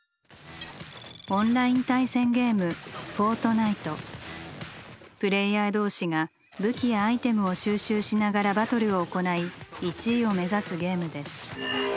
オンライン対戦ゲームプレイヤー同士が武器やアイテムを収集しながらバトルを行い１位を目指すゲームです。